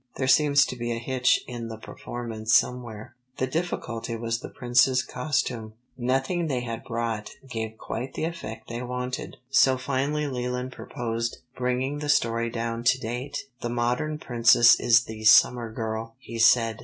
There seems to be a hitch in the performance somewhere." The difficulty was with the prince's costume. Nothing they had brought gave quite the effect they wanted, so finally Leland proposed bringing the story down to date. "The modern Princess is the Summer Girl," he said.